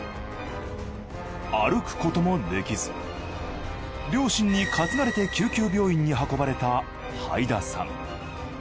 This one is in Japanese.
歩くこともできず両親に担がれて救急病院に運ばれたはいださん。